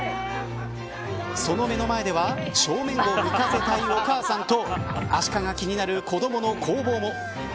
その目の前では正面を向かせたいお母さんと、アシカが気になる子どもの攻防も。